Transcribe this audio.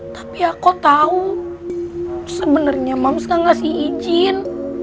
tapi aku tahu sebenarnya mams nggak ngasih izin